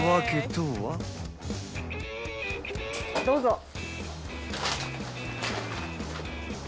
どうぞ。